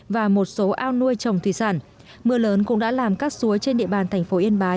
và một số ao nuôi trồng thủy sản mưa lớn cũng đã làm các suối trên địa bàn thành phố yên bái